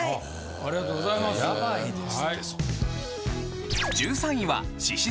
ありがとうございます。